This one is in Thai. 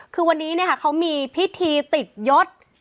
คือวันนี้เขามีพิธีติดยศ